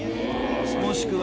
もしくは。